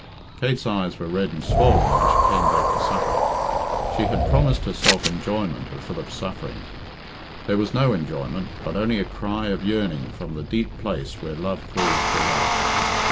Kate's eyes were red and swollen when she came back to supper. She had promised herself enjoyment of Philip's sufferings. There was no enjoyment, but only a cry of yearning from the deep place where love calls to love.